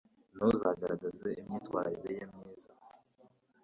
ntuzagaragaze imyitwarire ye myiza